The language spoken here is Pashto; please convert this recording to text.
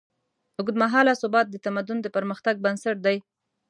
اوږدمهاله ثبات د تمدن د پرمختګ بنسټ دی.